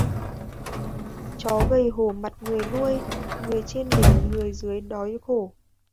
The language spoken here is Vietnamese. Chó gầy hổ mặt người nuôi: người trên để người dưới đói khổ